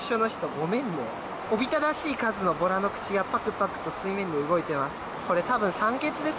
おびただしい数のボラの口がパクパクと水面で動いています。